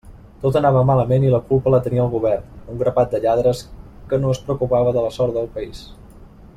Tot anava malament i la culpa la tenia el govern, un grapat de lladres que no es preocupava de la sort del país.